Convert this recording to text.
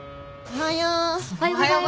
おはよう。